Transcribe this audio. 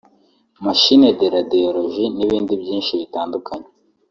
Machine de radiologie n’ibindi byinshi bitandukanye